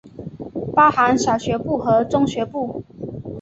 包含小学部和中学部。